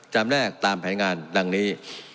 แลกตามแผนงานดังนี้